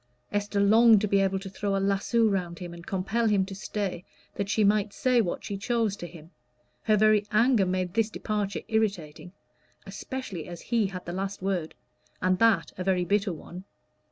Esther longed to be able to throw a lasso round him and compel him to stay, that she might say what she chose to him; her very anger made this departure irritating, especially as he had the last word, and that a very bitter one.